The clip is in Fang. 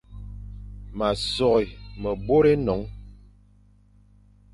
Ma sôghé mebor e nyôl,